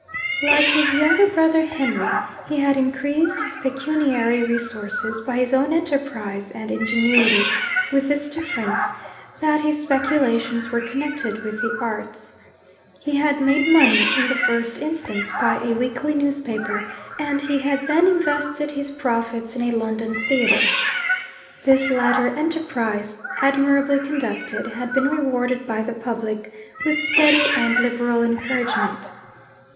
Like his younger brother Henry, he had increased his pecuniary resources by his own enterprise and ingenuity; with this difference, that his speculations were connected with the Arts. He had made money, in the first instance, by a weekly newspaper; and he had then invested his profits in a London theatre. This latter enterprise, admirably conducted, had been rewarded by the public with steady and liberal encouragement.